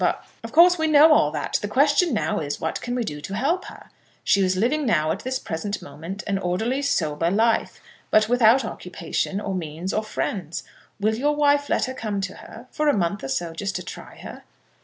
But " "Of course we know all that. The question now is, what can we do to help her? She is living now at this present moment, an orderly, sober life; but without occupation, or means, or friends. Will your wife let her come to her, for a month or so, just to try her?"